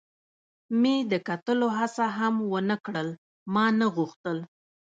مې د کتلو هڅه هم و نه کړل، ما نه غوښتل.